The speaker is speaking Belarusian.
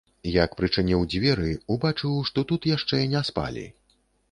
Як прычыніў дзверы, убачыў, што тут яшчэ не спалі.